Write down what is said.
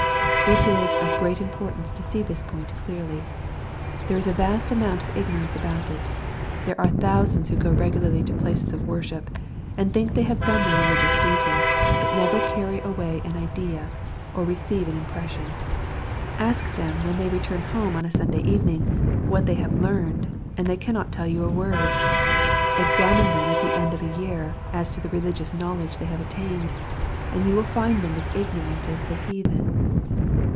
It is of great importance to see this point clearly. There is a vjist amount of ignorance about it. There are thousands who go regularly to places of worship, and think they have done their religious duty, but never carry away an idea, or receive an impression. Ask them, when they return home on a Sunday evening, what they have learned, and they cannot tell you a word. Examine them at the end of a year, as to the religious knowledge they have attained, and you will find them as ignorant as the heathen.